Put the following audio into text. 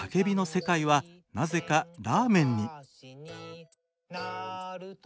世界はなぜかラーメンに。